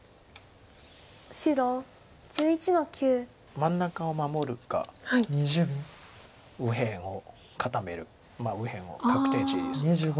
真ん中を守るか右辺を固める右辺を確定地にするか。